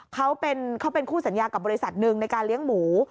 เขาเป็นคู่สัญญากับบริษัทหนึ่งในการเลี้ยงหมู